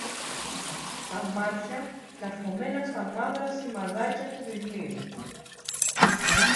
τα μάτια καρφωμένα στα μαύρα σημαδάκια του βιβλίου